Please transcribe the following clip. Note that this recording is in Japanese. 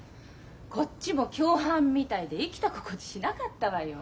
こっちも共犯みたいで生きた心地しなかったわよ。